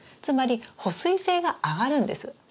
つまり保水性が上がるんです。